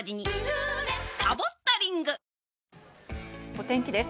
お天気です。